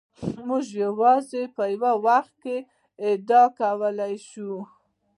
موږ یوازې په یو وخت کې ادعا کولای شو.